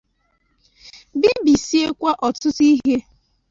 bibisiekwa ọtụtụ ihe.